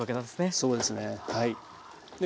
そうですねはい。